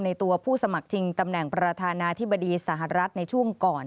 ตัวผู้สมัครชิงตำแหน่งประธานาธิบดีสหรัฐในช่วงก่อน